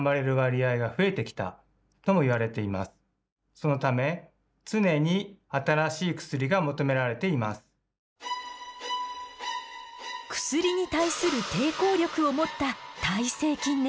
そのため薬に対する抵抗力を持った耐性菌ね。